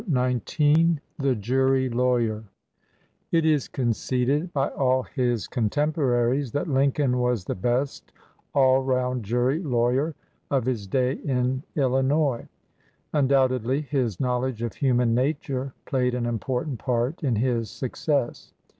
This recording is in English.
207 XIX THE JURY LAWYER TT is conceded by all his contemporaries that 1 Lincoln was the best all round jury lawyer of his day in Illinois. Undoubtedly his know ledge of human nature played an important part in his success.